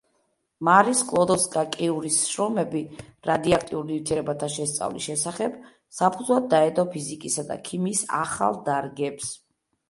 მარი სკლოდოვსკა-კიურის შრომები რადიოაქტიურ ნივთიერებათა შესწავლის შესახებ საფუძვლად დაედო ფიზიკისა და ქიმიის ახალ დარგებს.